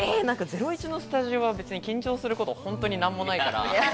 『ゼロイチ』のスタジオは緊張すること、本当に何もないから。